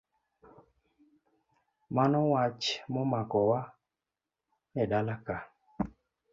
Mano wach momako wa edalaka.